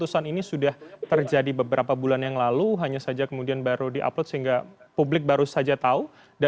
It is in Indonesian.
assalamualaikum wr wb